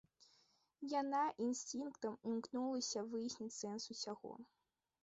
Яна інстынктам імкнулася выясніць сэнс усяго.